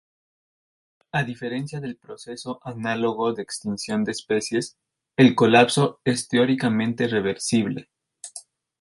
A diferencia del proceso análogo de extinción de especies, el colapso es teóricamente reversible.